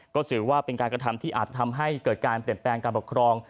ก็ถือว่าเป็นการกระทำที่อาจจะทำให้เกิดการเปลี่ยนแปลงการปกครอง